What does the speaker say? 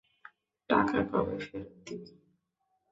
টাকা কবে ফেরৎ দিবি?